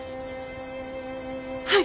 はい！